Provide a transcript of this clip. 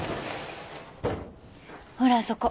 ほらあそこ。